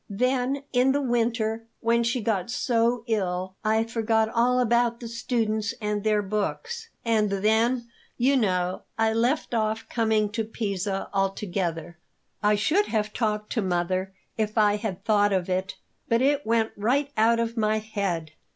Then, in the winter, when she got so ill, I forgot all about the students and their books; and then, you know, I left off coming to Pisa altogether. I should have talked to mother if I had thought of it; but it went right out of my head.